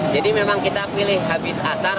jadi memang kita pilih habis asar